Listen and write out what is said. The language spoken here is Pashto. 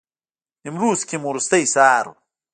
نیمروز کې مو وروستی سهار و.